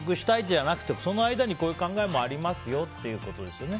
じゃなくてその間にこういう考えもありますよっていうことですね。